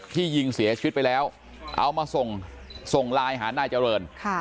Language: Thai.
ยิงเสียชีวิตไปแล้วเอามาส่งส่งไลน์หานายเจริญ